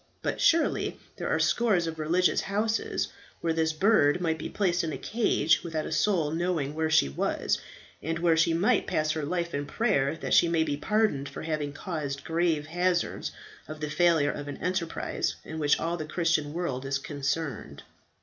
But surely there are scores of religious houses, where this bird might be placed in a cage without a soul knowing where she was, and where she might pass her life in prayer that she may be pardoned for having caused grave hazards of the failure of an enterprise in which all the Christian world is concerned."